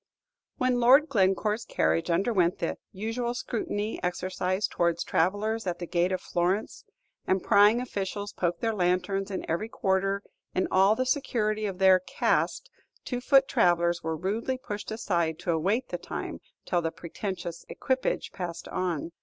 When Lord Glencore's carriage underwent the usual scrutiny exercised towards travellers at the gate of Florence, and prying officials poked their lanterns in every quarter, in all the security of their "caste," two foot travellers were rudely pushed aside to await the time till the pretentious equipage passed on.